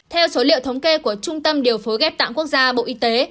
theo số liệu thống kê của trung tâm điều phối ghép tạng quốc gia bộ y tế